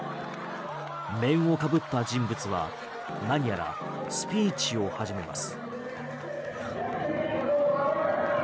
面をかぶった人物は何やらスピーチを始めます。